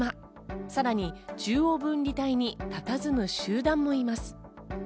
さらに中央分離帯にたたずむ集団もいます。